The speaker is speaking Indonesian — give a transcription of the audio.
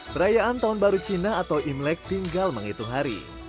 perayaan tahun baru cina atau imlek tinggal menghitung hari